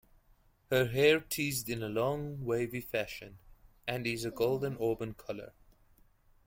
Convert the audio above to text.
Her hair teased in a long wavy fashion, and is a golden-auburn color.